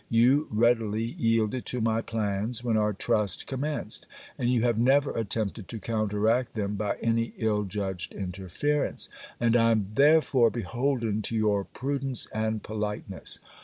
You readily yielded to my plans, when our trust commenced; and you have never attempted to counteract them by any ill judged interference; and I am therefore beholden to your prudence and politeness.